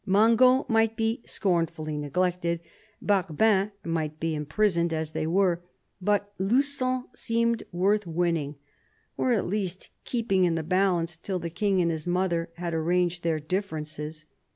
Mangot might be scornfully neglected, Barbin might be imprisoned — as they were— but Lu9on seemed worth winning, or at least keeping in the balance till the King and his mother had arranged their differences.